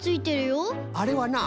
あれはな